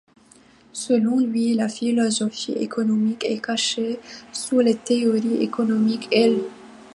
Selon lui, la philosophie économique est cachée sous les théories économiques et l'.